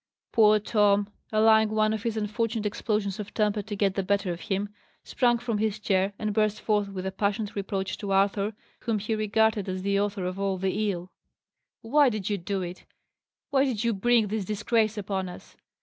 Poor Tom, allowing one of his unfortunate explosions of temper to get the better of him, sprang from his chair and burst forth with a passionate reproach to Arthur, whom he regarded as the author of all the ill. "Why did you do it? Why did you bring this disgrace upon us?